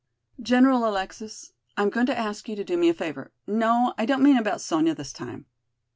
"General Alexis, I am going to ask you to do me a favor no, I don't mean about Sonya this time.